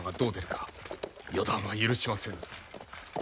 予断は許しませぬ。